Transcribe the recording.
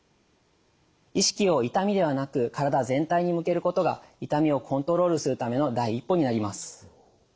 意識を「痛み」ではなく「からだ全体」に向けることが痛みをコントロールするための第一歩になります。